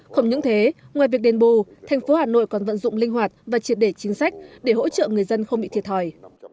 không những thế ngoài việc đền bù thành phố hà nội còn vận dụng linh hoạt và triệt để chính sách để hỗ trợ người dân không bị thiệt hỏi